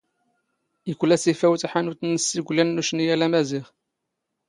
ⵉⴽⵯⵍⴰ ⵙⵉⴼⴰⵡ ⵜⴰⵃⴰⵏⵓⵜ ⵏⵏⵙ ⵙ ⵉⴽⵯⵍⴰⵏ ⵏ ⵓⵛⵏⵢⴰⵍ ⴰⵎⴰⵣⵉⵖ.